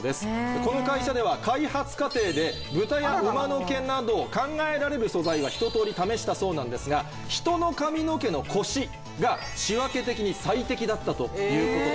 この会社では開発過程で豚や馬の毛など考えられる素材はひととおり試したそうなんですが人の髪の毛のコシが仕分け的に最適だったということです。